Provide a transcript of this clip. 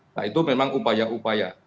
nah itu memang upaya upaya